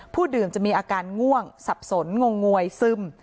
ดื่มจะมีอาการง่วงสับสนงงงวยซึม